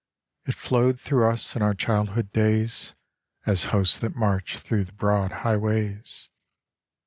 It flowed through us in our childhood's days As hosts that march through the broad highways.